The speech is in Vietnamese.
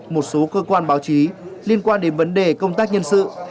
một số cơ quan báo chí liên quan đến vấn đề công tác nhân sự